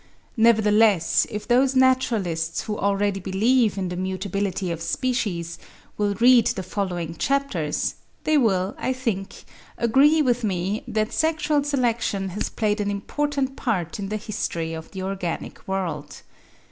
Nevertheless if those naturalists who already believe in the mutability of species, will read the following chapters, they will, I think, agree with me, that sexual selection has played an important part in the history of the organic world.